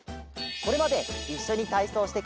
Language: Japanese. これまでいっしょにたいそうをしてくれた